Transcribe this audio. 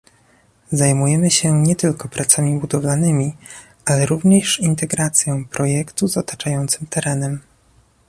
Zajmujemy się nie tylko pracami budowlanymi, ale również integracją projektu z otaczającym terenem